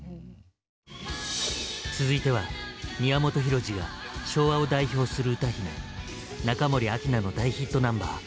続いては宮本浩次が昭和を代表する歌姫中森明菜の大ヒットナンバー